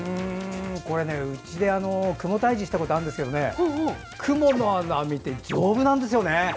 うちでクモ退治をしたことあるんですけどクモの網って丈夫なんですよね。